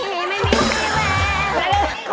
ไม่มีที่แว